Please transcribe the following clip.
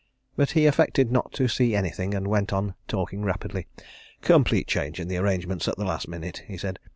But he affected not to see anything, and he went on talking rapidly. "Complete change in the arrangements at the last minute," he said.